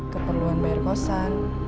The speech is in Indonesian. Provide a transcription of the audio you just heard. keperluan bayar kosan